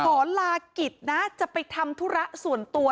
ขอลากิจนะจะไปทำธุระส่วนตัว